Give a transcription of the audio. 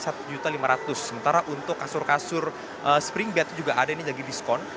sementara untuk kasur kasur spring bed itu juga ada ini lagi diskon